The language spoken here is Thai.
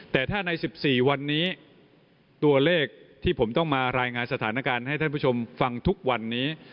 แต่ถ้าใน๑๔วันนี้ตัวเลขที่ผมต้องมารายงานสถานการณ์ให้ท่านผู้ชมฟังทุกวันนี้